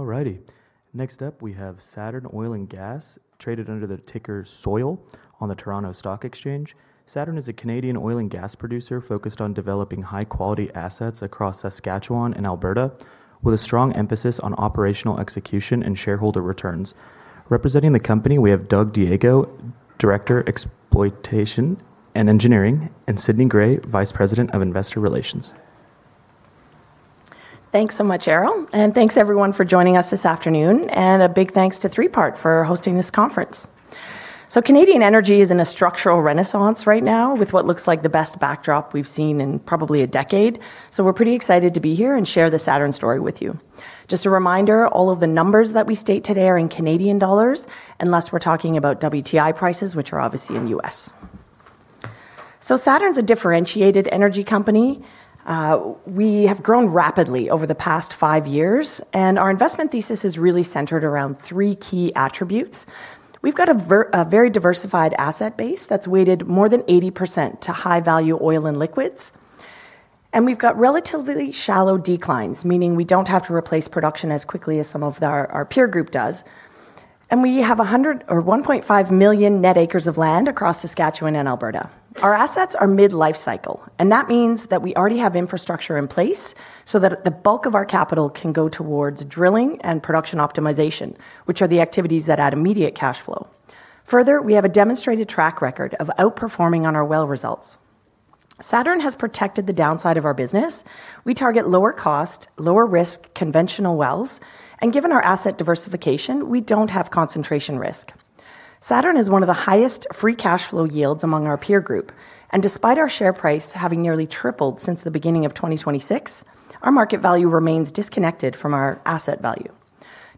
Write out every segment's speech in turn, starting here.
All righty. Next up, we have Saturn Oil & Gas, traded under the ticker SOIL on the Toronto Stock Exchange. Saturn is a Canadian oil and gas producer focused on developing high-quality assets across Saskatchewan and Alberta with a strong emphasis on operational execution and shareholder returns. Representing the company, we have Doug Deugo, Director, Exploitation and Engineering, and Cindy Gray, Vice President of Investor Relations. Thanks so much, Errol, and thanks everyone for joining us this afternoon. A big thanks to Three Part for hosting this conference. Canadian energy is in a structural renaissance right now with what looks like the best backdrop we've seen in probably a decade. We're pretty excited to be here and share the Saturn story with you. Just a reminder, all of the numbers that we state today are in CAD, unless we're talking about WTI prices, which are obviously in U.S. Saturn's a differentiated energy company. We have grown rapidly over the past five years, and our investment thesis is really centered around three key attributes. We've got a very diversified asset base that's weighted more than 80% to high-value oil and liquids. We've got relatively shallow declines, meaning we don't have to replace production as quickly as some of our peer group does. We have 1.5 million net acres of land across Saskatchewan and Alberta. Our assets are midlife cycle, that means that we already have infrastructure in place so that the bulk of our capital can go towards drilling and production optimization, which are the activities that add immediate cash flow. Further, we have a demonstrated track record of outperforming on our well results. Saturn has protected the downside of our business. We target lower cost, lower risk conventional wells, given our asset diversification, we don't have concentration risk. Saturn has one of the highest free cash flow yields among our peer group, despite our share price having nearly tripled since the beginning of 2026, our market value remains disconnected from our asset value.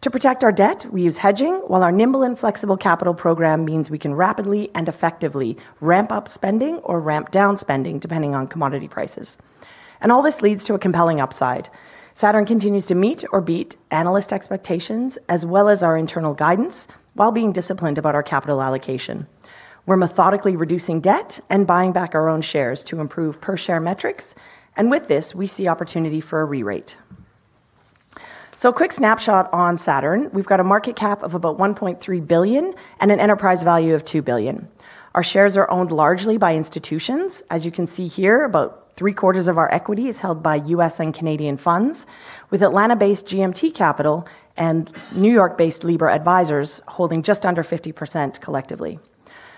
To protect our debt, we use hedging, while our nimble and flexible capital program means we can rapidly and effectively ramp up spending or ramp down spending depending on commodity prices. All this leads to a compelling upside. Saturn continues to meet or beat analyst expectations as well as our internal guidance while being disciplined about our capital allocation. We're methodically reducing debt and buying back our own shares to improve per-share metrics, with this, we see opportunity for a re-rate. Quick snapshot on Saturn. We've got a market cap of about 1.3 billion and an enterprise value of 2 billion. Our shares are owned largely by institutions. As you can see here, about three-quarters of our equity is held by U.S. and Canadian funds, with Atlanta-based GMT Capital and New York-based Libra Advisors holding just under 50% collectively.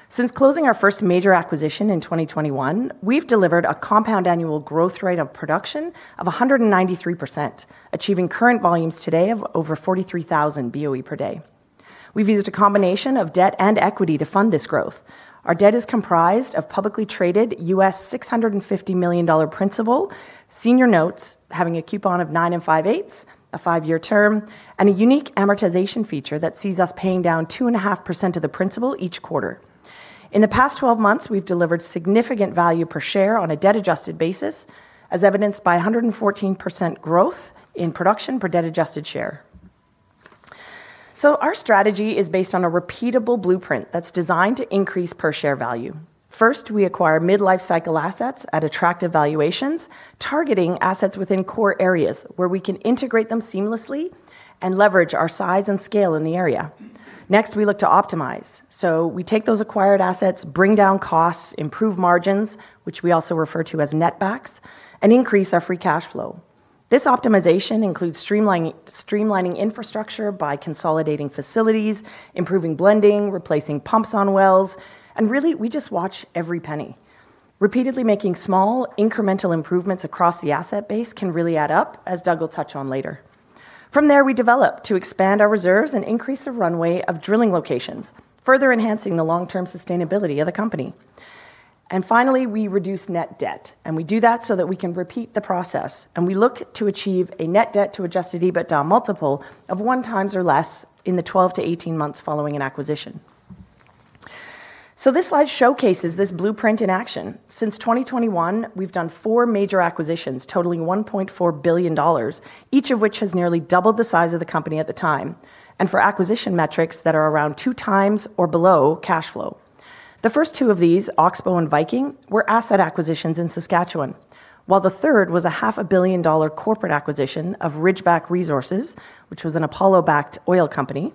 Since closing our first major acquisition in 2021, we've delivered a compound annual growth rate of production of 193%, achieving current volumes today of over 43,000 BOE per day. We've used a combination of debt and equity to fund this growth. Our debt is comprised of publicly traded $650 million principal, senior notes having a coupon of nine and five-eighths, a five-year term, and a unique amortization feature that sees us paying down 2.5% of the principal each quarter. In the past 12 months, we've delivered significant value per share on a debt-adjusted basis, as evidenced by 114% growth in production per debt adjusted share. Our strategy is based on a repeatable blueprint that's designed to increase per-share value. First, we acquire midlife cycle assets at attractive valuations, targeting assets within core areas where we can integrate them seamlessly and leverage our size and scale in the area. Next, we look to optimize. We take those acquired assets, bring down costs, improve margins, which we also refer to as netbacks, and increase our free cash flow. This optimization includes streamlining infrastructure by consolidating facilities, improving blending, replacing pumps on wells, and really, we just watch every penny. Repeatedly making small, incremental improvements across the asset base can really add up, as Doug will touch on later. From there, we develop to expand our reserves and increase the runway of drilling locations, further enhancing the long-term sustainability of the company. Finally, we reduce net debt, and we do that so that we can repeat the process, and we look to achieve a net debt to adjusted EBITDA multiple of 1x or less in the 12-18 months following an acquisition. This slide showcases this blueprint in action. Since 2021, we've done four major acquisitions totaling 1.4 billion dollars, each of which has nearly doubled the size of the company at the time, and for acquisition metrics that are around 2x or below cash flow. The first two of these, Oxbow and Viking, were asset acquisitions in Saskatchewan, while the third was a 500 million dollar corporate acquisition of Ridgeback Resources, which was an Apollo-backed oil company.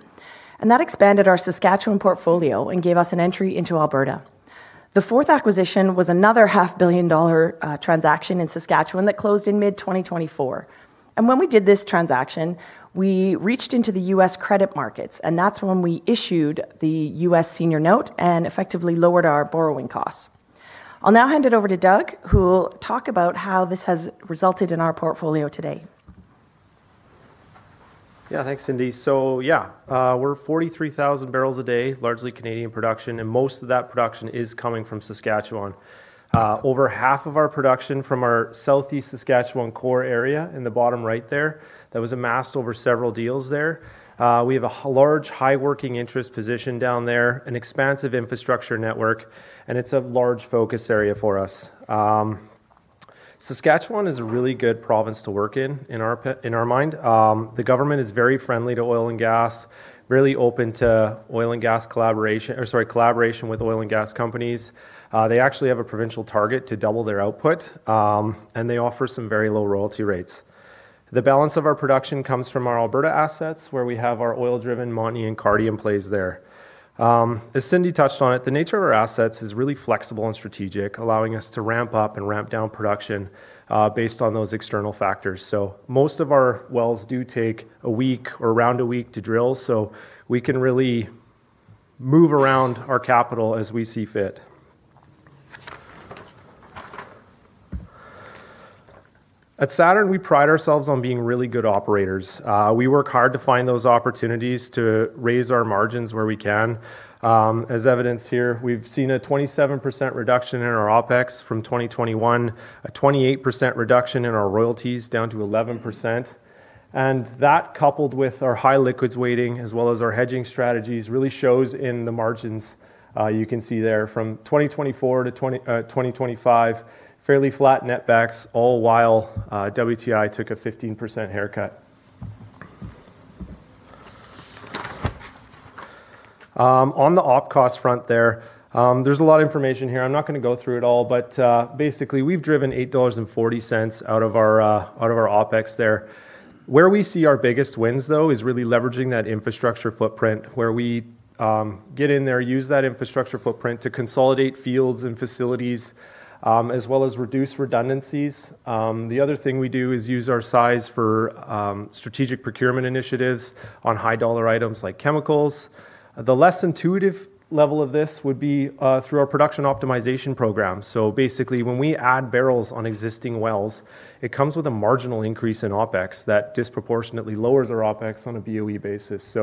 That expanded our Saskatchewan portfolio and gave us an entry into Alberta. The fourth acquisition was another 500 million dollar transaction in Saskatchewan that closed in mid-2024. When we did this transaction, we reached into the U.S. credit markets, and that's when we issued the U.S. senior note and effectively lowered our borrowing costs. I'll now hand it over to Doug, who will talk about how this has resulted in our portfolio today. Thanks, Cindy. We're 43,000 bpd, largely Canadian production, and most of that production is coming from Saskatchewan. Over half of our production from our Southeast Saskatchewan core area in the bottom right there, that was amassed over several deals there. We have a large high working interest position down there, an expansive infrastructure network, and it's a large focus area for us. Saskatchewan is a really good province to work in our mind. The government is very friendly to oil and gas, really open to collaboration with oil and gas companies. They actually have a provincial target to double their output, and they offer some very low royalty rates. The balance of our production comes from our Alberta assets, where we have our oil-driven Montney and Cardium plays there. Cindy touched on it, the nature of our assets is really flexible and strategic, allowing us to ramp up and ramp down production based on those external factors. Most of our wells do take one week or around one week to drill, we can really move around our capital as we see fit. At Saturn, we pride ourselves on being really good operators. We work hard to find those opportunities to raise our margins where we can. As evidenced here, we've seen a 27% reduction in our OpEx from 2021, a 28% reduction in our royalties down to 11%. That, coupled with our high liquids weighting as well as our hedging strategies, really shows in the margins. You can see there from 2024 to 2025, fairly flat netbacks, all while WTI took a 15% haircut. On the Op cost front there's a lot of information here. I'm not going to go through it all, but basically, we've driven 8.40 dollars out of our OpEx there. Where we see our biggest wins, though, is really leveraging that infrastructure footprint, where we get in there, use that infrastructure footprint to consolidate fields and facilities, as well as reduce redundancies. The other thing we do is use our size for strategic procurement initiatives on high-dollar items like chemicals. The less intuitive level of this would be through our production optimization program. Basically, when we add barrels on existing wells, it comes with a marginal increase in OpEx that disproportionately lowers our OpEx on a BOE basis.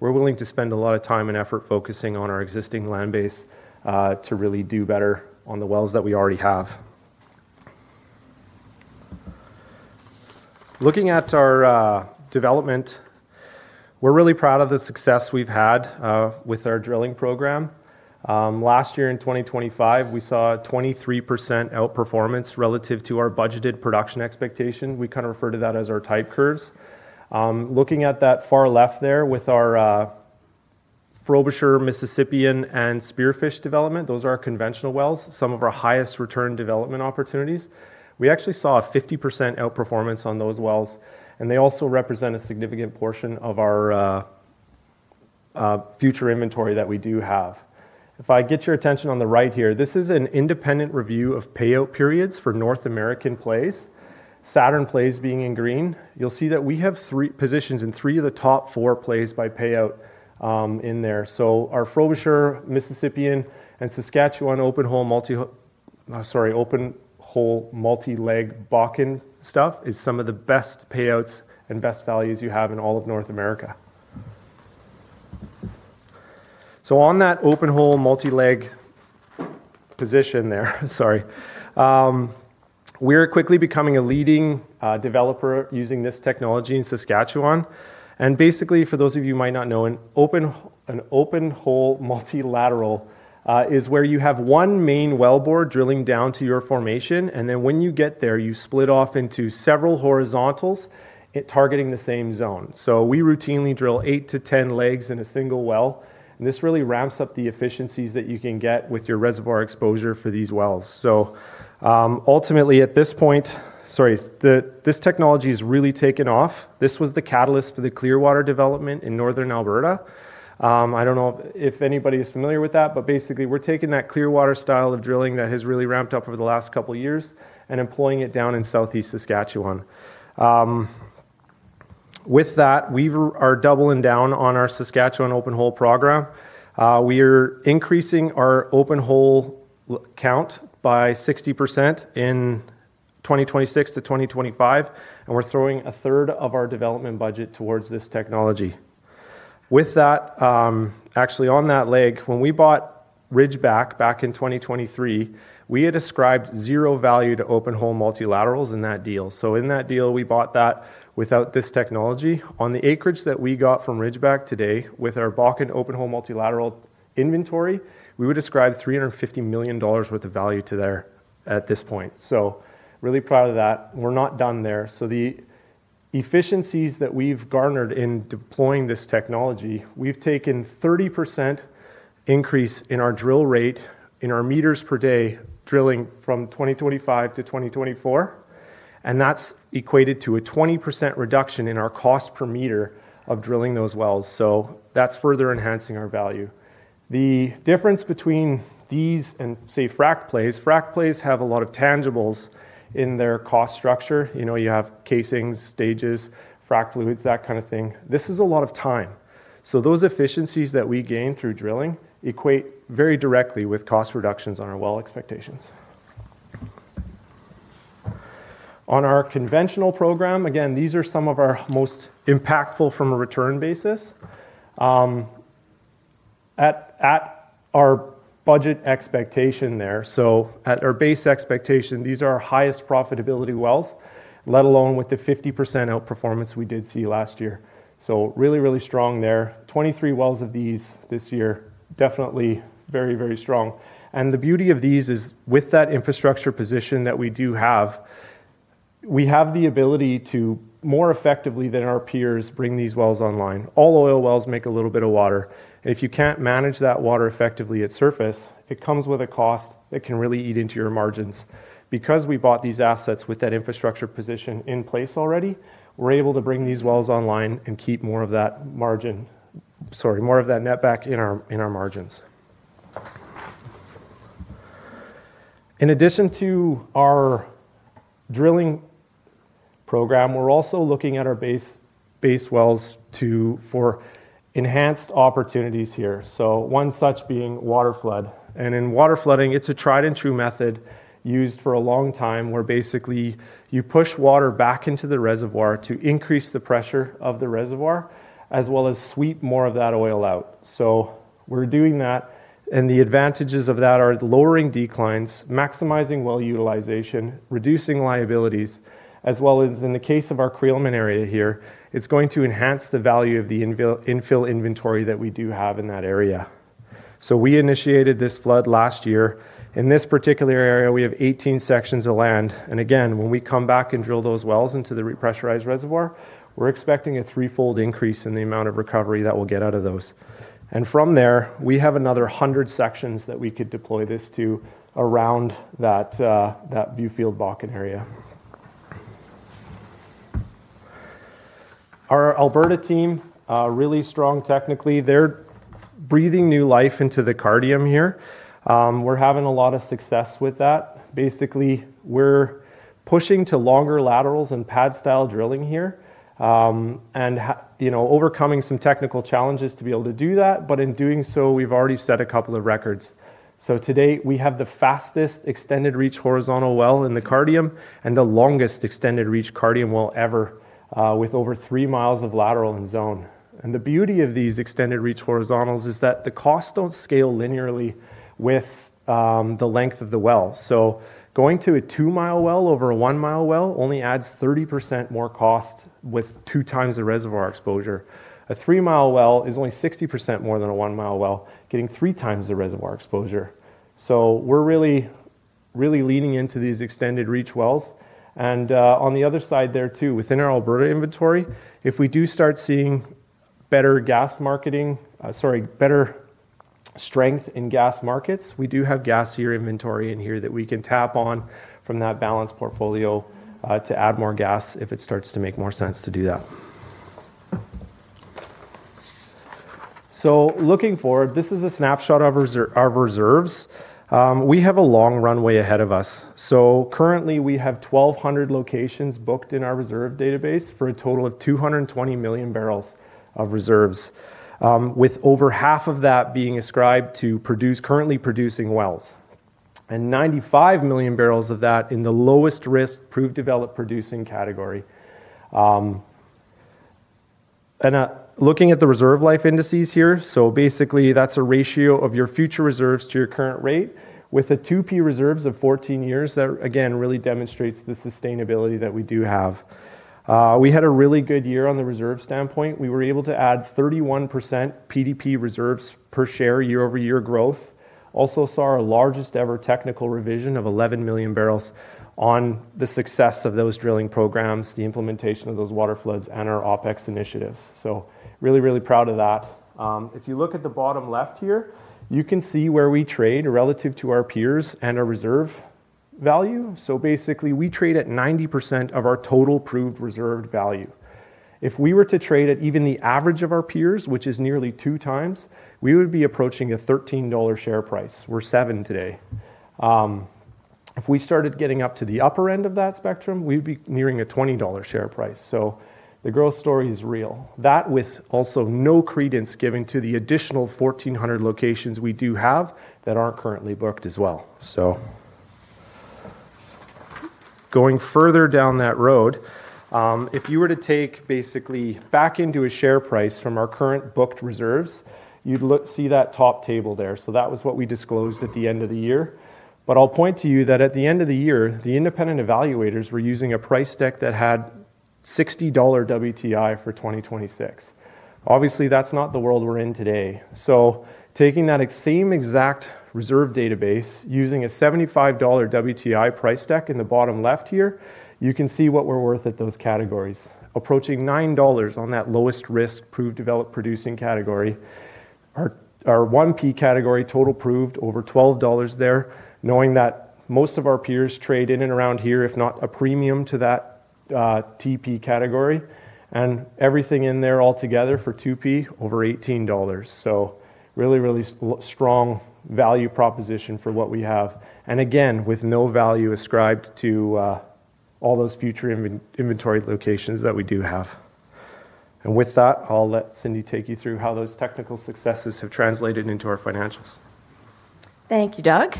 We're willing to spend a lot of time and effort focusing on our existing land base to really do better on the wells that we already have. Looking at our development, we're really proud of the success we've had with our drilling program. Last year in 2025, we saw a 23% outperformance relative to our budgeted production expectation. We refer to that as our type curves. Looking at that far left there with our Frobisher Mississippian and Spearfish development, those are our conventional wells, some of our highest return development opportunities. We actually saw a 50% outperformance on those wells, and they also represent a significant portion of our future inventory that we do have. If I get your attention on the right here, this is an independent review of payout periods for North American plays. Saturn plays being in green. You'll see that we have positions in three of the top four plays by payout in there. Our Frobisher Mississippian and Saskatchewan open-hole multi-leg Bakken stuff is some of the best payouts and best values you have in all of North America. On that open-hole multi-leg position there, sorry. We're quickly becoming a leading developer using this technology in Saskatchewan. Basically, for those of you who might not know, an open-hole multilateral is where you have one main well bore drilling down to your formation, then when you get there, you split off into several horizontals targeting the same zone. We routinely drill eight to 10 legs in a single well, this really ramps up the efficiencies that you can get with your reservoir exposure for these wells. Ultimately at this point, this technology has really taken off. This was the catalyst for the Clearwater development in Northern Alberta. I don't know if anybody is familiar with that. Basically, we're taking that Clearwater style of drilling that has really ramped up over the last couple of years and employing it down in Southeast Saskatchewan. With that, we are doubling down on our Saskatchewan open-hole program. We are increasing our open-hole count by 60% in 2026 to 2025. We're throwing a third of our development budget towards this technology. With that, actually on that leg, when we bought Ridgeback back in 2023, we had ascribed zero value to open-hole multilaterals in that deal. In that deal, we bought that without this technology. On the acreage that we got from Ridgeback today with our Bakken open hole multilateral inventory, we would ascribe 350 million dollars worth of value to there at this point. Really proud of that. We're not done there. The efficiencies that we've garnered in deploying this technology, we've taken 30% increase in our drill rate in our meters per day drilling from 2025 to 2024. That's equated to a 20% reduction in our cost per meter of drilling those wells. That's further enhancing our value. The difference between these and, say, frack plays, frack plays have a lot of tangibles in their cost structure. You have casings, stages, frack fluids, that kind of thing. This is a lot of time. Those efficiencies that we gain through drilling equate very directly with cost reductions on our well expectations. On our conventional program, again, these are some of our most impactful from a return basis. At our budget expectation there, so at our base expectation, these are our highest profitability wells, let alone with the 50% outperformance we did see last year. Really, really strong there. 23 wells of these this year, definitely very, very strong. The beauty of these is with that infrastructure position that we do have, we have the ability to more effectively than our peers bring these wells online. All oil wells make a little bit of water. If you can't manage that water effectively at surface, it comes with a cost that can really eat into your margins. Because we bought these assets with that infrastructure position in place already, we're able to bring these wells online and keep more of that netback in our margins. In addition to our drilling program, we're also looking at our base wells for enhanced opportunities here. One such being waterflood. In waterflooding, it's a tried-and-true method used for a long time, where basically you push water back into the reservoir to increase the pressure of the reservoir, as well as sweep more of that oil out. We're doing that. The advantages of that are lowering declines, maximizing well utilization, reducing liabilities, as well as in the case of our Creelman area here, it's going to enhance the value of the infill inventory that we do have in that area. We initiated this flood last year. In this particular area, we have 18 sections of land. Again, when we come back and drill those wells into the repressurized reservoir, we're expecting a threefold increase in the amount of recovery that we'll get out of those. From there, we have another 100 sections that we could deploy this to around that Viewfield Bakken area. Our Alberta team, really strong technically. They're breathing new life into the Cardium here. We're having a lot of success with that. We're pushing to longer laterals and pad-style drilling here, and overcoming some technical challenges to be able to do that. In doing so, we've already set a couple of records. To date, we have the fastest extended reach horizontal well in the Cardium and the longest extended reach Cardium well ever, with over 3 mi of lateral in zone. The beauty of these extended reach horizontals is that the costs don't scale linearly with the length of the well. Going to a 2-mi well over a 1-mi well only adds 30% more cost with 2x the reservoir exposure. A 3-mi well is only 60% more than a 1-mi well, getting 3x the reservoir exposure. We're really leaning into these extended reach wells. On the other side there, too, within our Alberta inventory, if we do start seeing better strength in gas markets, we do have gas year inventory in here that we can tap on from that balanced portfolio to add more gas if it starts to make more sense to do that. Looking forward, this is a snapshot of our reserves. We have a long runway ahead of us. Currently, we have 1,200 locations booked in our reserve database for a total of 220 million barrels of reserves, with over half of that being ascribed to currently producing wells and 95 million barrels of that in the lowest risk proved developed producing category. Looking at the reserve life indices here, that's a ratio of your future reserves to your current rate. With the 2P reserves of 14 years, that again really demonstrates the sustainability that we do have. We had a really good year on the reserve standpoint. We were able to add 31% PDP reserves per share year-over-year growth. Also saw our largest ever technical revision of 11 million barrels on the success of those drilling programs, the implementation of those waterfloods, and our OpEx initiatives. Really proud of that. If you look at the bottom left here, you can see where we trade relative to our peers and our reserve value. We trade at 90% of our total proved reserved value. If we were to trade at even the average of our peers, which is nearly 2x, we would be approaching a 13 dollar share price. We're 7 today. If we started getting up to the upper end of that spectrum, we'd be nearing a 20 dollar share price. The growth story is real. That with also no credence given to the additional 1,400 locations we do have that aren't currently booked as well. Going further down that road, if you were to take basically back into a share price from our current booked reserves, you'd see that top table there. That was what we disclosed at the end of the year. I'll point to you that at the end of the year, the independent evaluators were using a price deck that had $60 WTI for 2026. Obviously, that's not the world we're in today. Taking that same exact reserve database, using a $75 WTI price deck in the bottom left here, you can see what we're worth at those categories. Approaching 9 dollars on that lowest risk proved developed producing category. Our 1P category total proved over 12 dollars there, knowing that most of our peers trade in and around here, if not a premium to that 2P category. Everything in there all together for 2P, over 18 dollars. Really, really strong value proposition for what we have. Again, with no value ascribed to all those future inventory locations that we do have. With that, I will let Cindy take you through how those technical successes have translated into our financials. Thank you, Doug.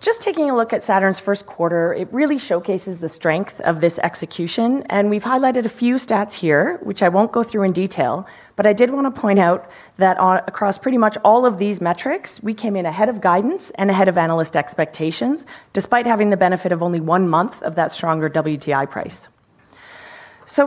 Just taking a look at Saturn's first quarter, it really showcases the strength of this execution, and we've highlighted a few stats here, which I will not go through in detail, but I did want to point out that across pretty much all of these metrics, we came in ahead of guidance and ahead of analyst expectations, despite having the benefit of only one month of that stronger WTI price.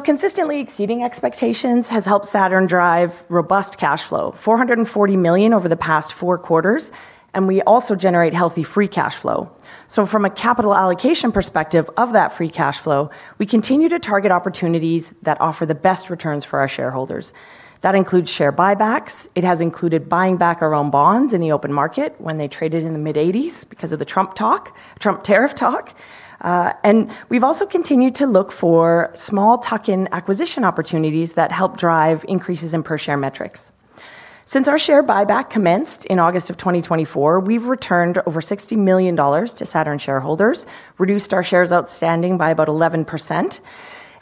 Consistently exceeding expectations has helped Saturn drive robust cash flow, 440 million over the past four quarters, and we also generate healthy free cash flow. From a capital allocation perspective of that free cash flow, we continue to target opportunities that offer the best returns for our shareholders. That includes share buybacks. It has included buying back our own bonds in the open market when they traded in the mid-80s because of the Trump tariff talk. We have also continued to look for small tuck-in acquisition opportunities that help drive increases in per-share metrics. Since our share buyback commenced in August of 2024, we have returned over 60 million dollars to Saturn shareholders, reduced our shares outstanding by about 11%,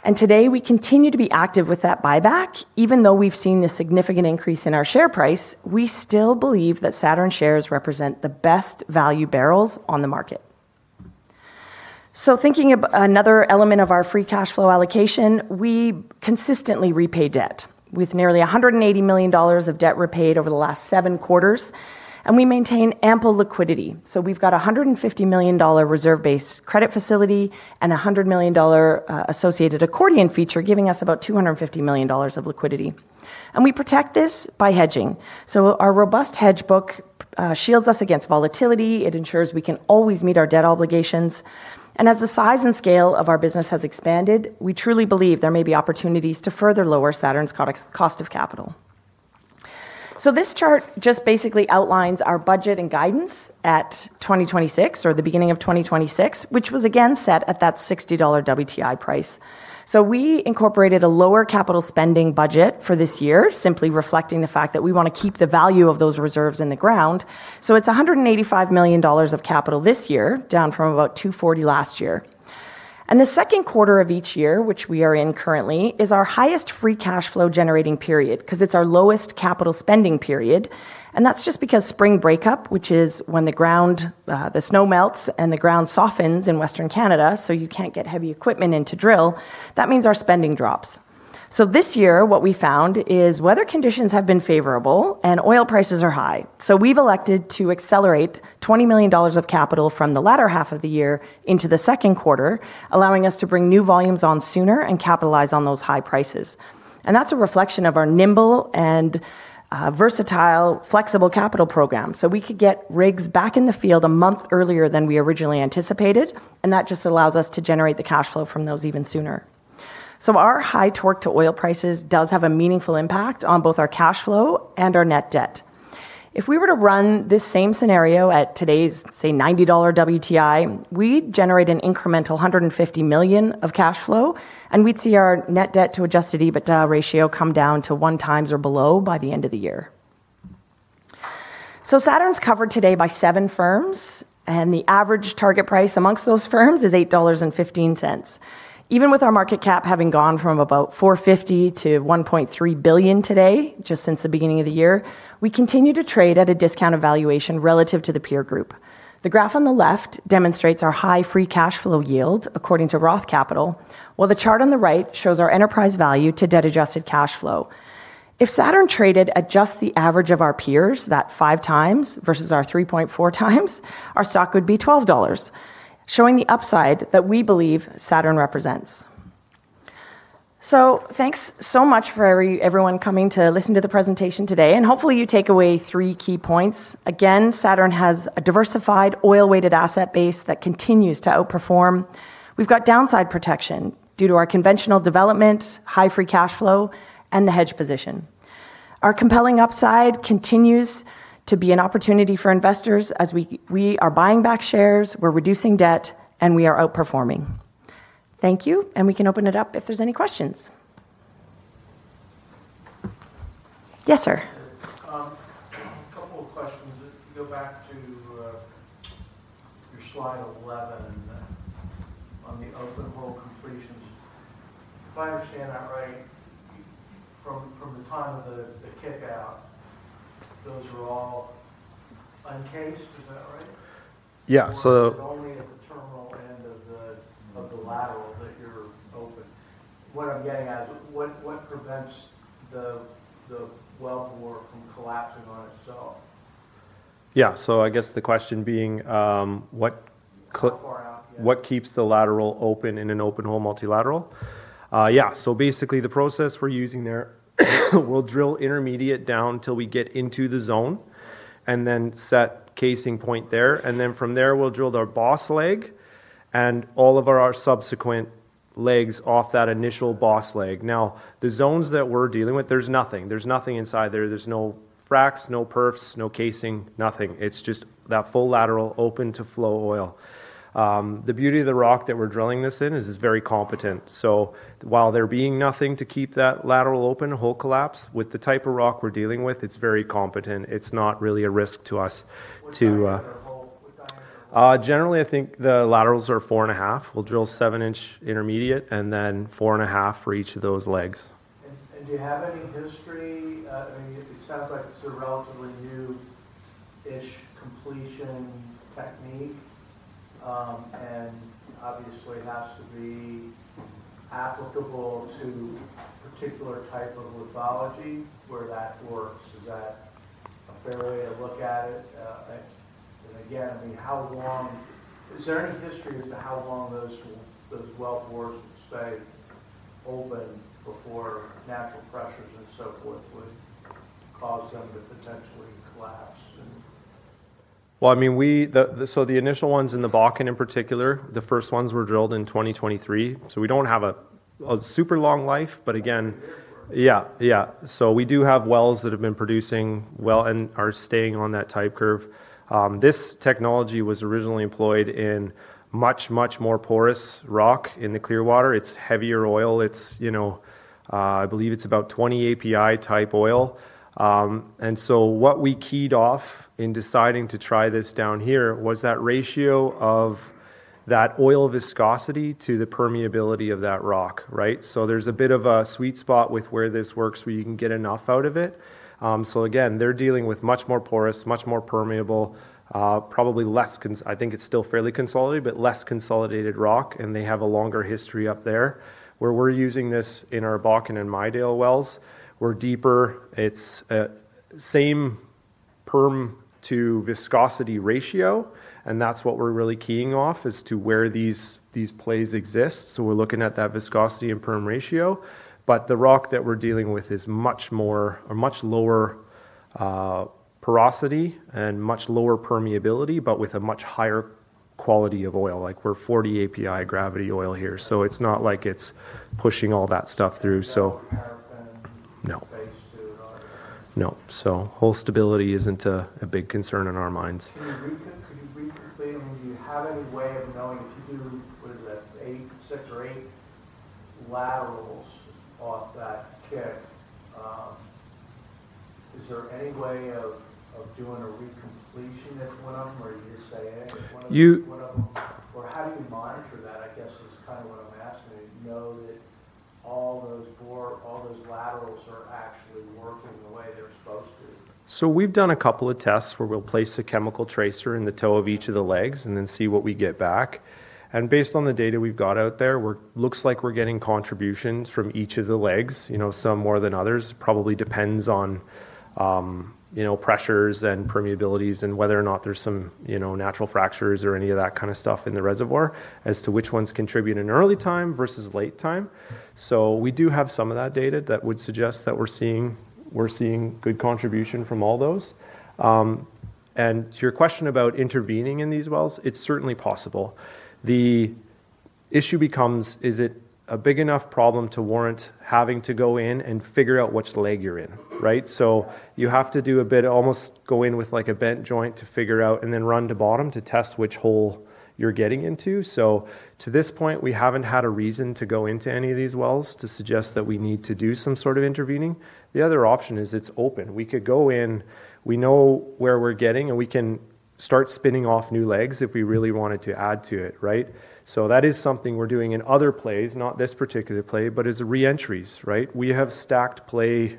and today we continue to be active with that buyback. Even though we have seen a significant increase in our share price, we still believe that Saturn shares represent the best value barrels on the market. Thinking about another element of our free cash flow allocation, we consistently repay debt with nearly 180 million dollars of debt repaid over the last seven quarters, and we maintain ample liquidity. We have got a 150 million dollar reserve-based credit facility and a 100 million dollar associated accordion feature, giving us about 250 million dollars of liquidity. We protect this by hedging. Our robust hedge book shields us against volatility. It ensures we can always meet our debt obligations. As the size and scale of our business has expanded, we truly believe there may be opportunities to further lower Saturn's cost of capital. This chart just basically outlines our budget and guidance at 2026 or the beginning of 2026, which was again set at that $60 WTI price. We incorporated a lower capital spending budget for this year, simply reflecting the fact that we want to keep the value of those reserves in the ground. It is 185 million dollars of capital this year, down from about 240 million last year. The second quarter of each year, which we are in currently, is our highest free cash flow generating period because it's our lowest capital spending period. That's just because spring breakup, which is when the snow melts and the ground softens in Western Canada, you can't get heavy equipment in to drill. That means our spending drops. This year, what we found is weather conditions have been favorable and oil prices are high. We've elected to accelerate 20 million dollars of capital from the latter half of the year into the second quarter, allowing us to bring new volumes on sooner and capitalize on those high prices. That's a reflection of our nimble and versatile flexible capital program. We could get rigs back in the field a month earlier than we originally anticipated. That just allows us to generate the cash flow from those even sooner. Our high torque to oil prices does have a meaningful impact on both our cash flow and our net debt. If we were to run this same scenario at today's, say, $90 WTI, we'd generate an incremental 150 million of cash flow, and we'd see our net debt to adjusted EBITDA ratio come down to 1x or below by the end of the year. Saturn's covered today by seven firms, and the average target price amongst those firms is 8.15 dollars. Even with our market cap having gone from about 450 million to 1.3 billion today, just since the beginning of the year, we continue to trade at a discount evaluation relative to the peer group. The graph on the left demonstrates our high free cash flow yield according to Roth Capital, while the chart on the right shows our enterprise value to debt adjusted cash flow. If Saturn traded at just the average of our peers, that 5x versus our 3.4x, our stock would be 12 dollars, showing the upside that we believe Saturn represents. Thanks so much for everyone coming to listen to the presentation today, and hopefully you take away three key points. Again, Saturn has a diversified oil-weighted asset base that continues to outperform. We've got downside protection due to our conventional development, high free cash flow, and the hedge position. Our compelling upside continues to be an opportunity for investors as we are buying back shares, we're reducing debt, and we are outperforming. Thank you, and we can open it up if there's any questions. Yes, sir. A couple of questions. If you go back to your slide 11 on the open-hole completions. If I understand that right, from the time of the kickout, those are all uncased. Is that right? Yeah. It's only at the terminal end of the lateral that you're open. What I'm getting at is, what prevents the wellbore from collapsing on itself? Yeah. I guess the question being. How far out? Yeah. What keeps the lateral open in an open-hole multilateral? Yeah. Basically, the process we're using there, we'll drill intermediate down till we get into the zone and then set casing point there. From there, we'll drill our boss leg and all of our subsequent legs off that initial boss leg. Now, the zones that we're dealing with, there's nothing inside there. There's no fracs, no perfs, no casing, nothing. It's just that full lateral open to flow oil. The beauty of the rock that we're drilling this in is it's very competent. While there being nothing to keep that lateral open, a hole collapse, with the type of rock we're dealing with, it's very competent. It's not really a risk to us. What diameter hole? Generally, I think the laterals are four and a half. We'll drill seven-inch intermediate, then four and a half for each of those legs. Do you have any history? It sounds like it's a relatively new-ish completion technique, and obviously, it has to be applicable to particular type of lithology where that works. Is that a fair way to look at it? Is there any history as to how long those wellbores would stay open before natural pressures and so forth would cause them to potentially collapse? The initial ones in the Bakken in particular, the first ones were drilled in 2023. We don't have a super long life. But again- Yeah. We do have wells that have been producing well and are staying on that type curve. This technology was originally employed in much, much more porous rock in the Clearwater. It's heavier oil. I believe it's about 20 API type oil. What we keyed off in deciding to try this down here was that ratio of that oil viscosity to the permeability of that rock. Right? There's a bit of a sweet spot with where this works, where you can get enough out of it. They're dealing with much more porous, much more permeable, I think it's still fairly consolidated, but less consolidated rock, and they have a longer history up there. Where we're using this in our Bakken and Midale wells. We're deeper. It's same perm to viscosity ratio, and that's what we're really keying off is to where these plays exist. We're looking at that viscosity and perm ratio. The rock that we're dealing with is much lower porosity and much lower permeability, but with a much higher quality of oil, like we're 40 API gravity oil here. It's not like it's pushing all that stuff through. No paraffin. No Phase II at all? No. Hole stability isn't a big concern on our minds. Can you re-complete and do you have any way of knowing if you do, what is it, six or eight laterals off that kick? Is there any way of doing a re-completion at one of them, or you just say eh at one of them? You- How do you monitor that, I guess is kind of what I'm asking. Do you know that all those laterals are actually working the way they're supposed to? We've done a couple of tests where we'll place a chemical tracer in the toe of each of the legs and then see what we get back. Based on the data we've got out there, looks like we're getting contributions from each of the legs. Some more than others. Probably depends on pressures and permeabilities and whether or not there's some natural fractures or any of that kind of stuff in the reservoir as to which ones contribute in early time versus late time. We do have some of that data that would suggest that we're seeing good contribution from all those. To your question about intervening in these wells, it's certainly possible. The issue becomes, is it a big enough problem to warrant having to go in and figure out which leg you're in? Right? You have to do a bit, almost go in with a bent joint to figure out, then run to bottom to test which hole you're getting into. To this point, we haven't had a reason to go into any of these wells to suggest that we need to do some sort of intervening. The other option is it's open. We could go in. We know where we're getting, and we can start spinning off new legs if we really wanted to add to it. Right? That is something we're doing in other plays, not this particular play, but as re-entries. Right? We have stacked play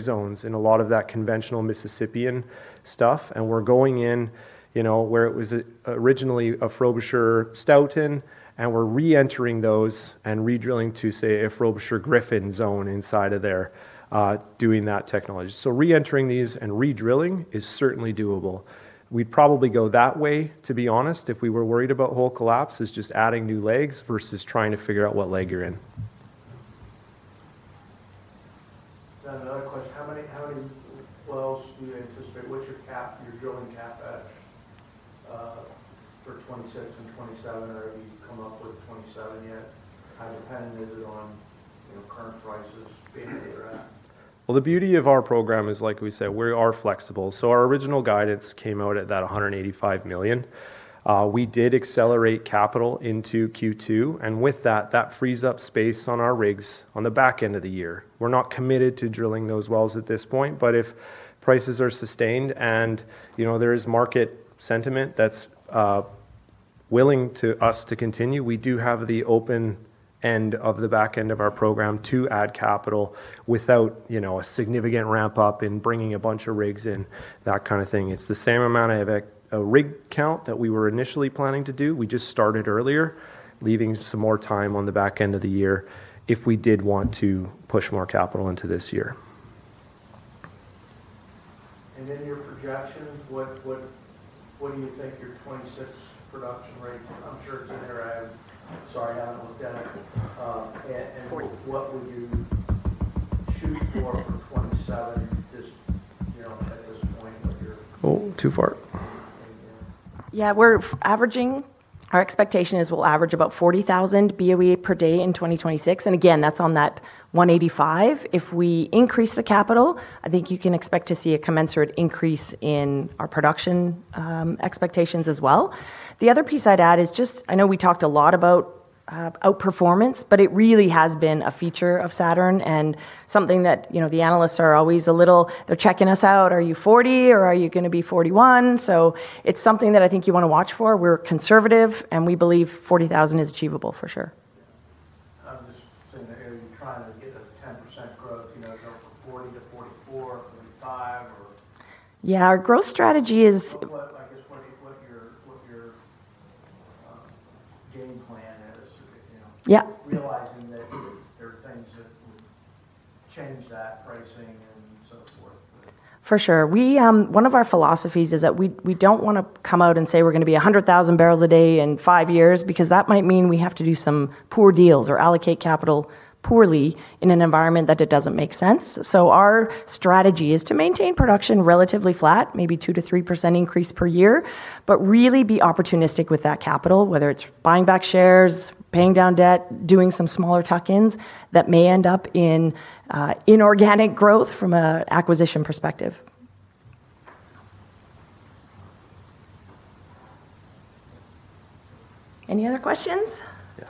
zones in a lot of that conventional Mississippian stuff. We're going in where it was originally a Frobisher Stoughton, and we're re-entering those and re-drilling to, say, a Frobisher Griffin zone inside of there, doing that technology. Re-entering these and re-drilling is certainly doable. We'd probably go that way, to be honest, if we were worried about hole collapse, is just adding new legs versus trying to figure out what leg you're in. Another question. How many wells do you anticipate? What's your drilling CapEx for 2026 and 2027, or have you come up with 2027 yet? How dependent is it on current prices, basically they're at? The beauty of our program is, like we said, we are flexible. Our original guidance came out at that 185 million. We did accelerate capital into Q2, with that frees up space on our rigs on the back end of the year. We're not committed to drilling those wells at this point, if prices are sustained and there is market sentiment that's willing to us to continue, we do have the open end of the back end of our program to add capital without a significant ramp-up in bringing a bunch of rigs in, that kind of thing. It's the same amount of a rig count that we were initially planning to do. We just started earlier, leaving some more time on the back end of the year if we did want to push more capital into this year. Your projections, what do you think your 2026 production rates I'm sure it's in here. Sorry, I haven't looked at it. 40. What would you shoot for 2027, just at this point? Too far. Our expectation is we'll average about 40,000 BOE per day in 2026. Again, that's on that 185. If we increase the capital, I think you can expect to see a commensurate increase in our production expectations as well. The other piece I'd add is, I know we talked a lot about outperformance, it really has been a feature of Saturn and something that the analysts are always They're checking us out. Are you 40,000 or are you going to be 41,000? It's something that I think you want to watch for. We're conservative, and we believe 40,000 is achievable for sure. I'm saying that, are you trying to get a 10% growth, go from 40,000 to 44,000, 45,000, or? Yeah. Our growth strategy is. I'm just wondering what your game plan is. Yeah. Realizing that there are things that would change that pricing and so forth. For sure. One of our philosophies is that we don't want to come out and say we're going to be 100,000 bpd in five years because that might mean we have to do some poor deals or allocate capital poorly in an environment that it doesn't make sense. Our strategy is to maintain production relatively flat, maybe 2%-3% increase per year, but really be opportunistic with that capital, whether it's buying back shares, paying down debt, doing some smaller tuck-ins that may end up in inorganic growth from an acquisition perspective. Any other questions? Yeah.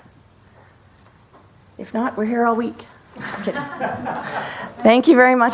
If not, we're here all week. Just kidding. Thank you very much.